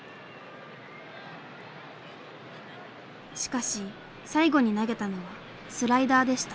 しかし最後に投げたのはスライダーでした。